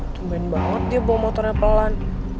cuman banget dia bawa motornya pelan